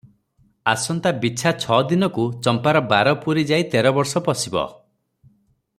ଆସନ୍ତା ବିଛା ଛ ଦିନକୁ ଚମ୍ପାର ବାର ପୁରି ଯାଇ ତେର ବର୍ଷ ପଶିବ ।